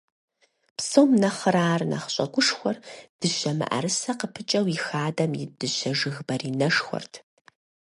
Псом нэхърэ ар нэхъ щӀэгушхуэр дыщэ мыӀэрысэ къыпыкӀэу и хадэм ит дыщэ жыг баринэшхуэрт.